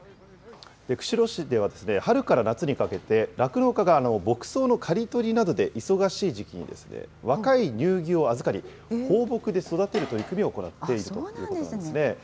釧路市では春から夏にかけて、酪農家が牧草の刈り取りなどで忙しい時期に若い乳牛を預かり、放牧で育てる取り組みを行っているということなんですね。